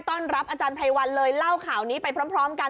ต้อนรับอาจารย์ไพรวัลเลยเล่าข่าวนี้ไปพร้อมกัน